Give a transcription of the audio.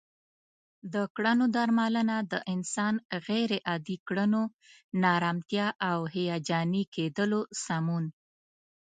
د کړنو درملنه د انسان غیر عادي کړنو، ناآرامتیا او هیجاني کیدلو سمون